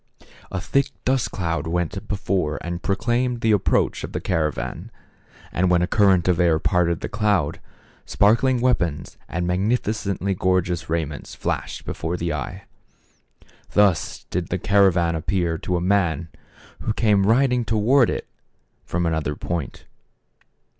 A thick dust cloud went before and proclaimed the approach of the cara van ; and when a current of air parted the cloud, sparkling weapons and magnificently gorgeous raiments flashed before the eye. Thus did the caravan appear to a man who came riding towards it from another point.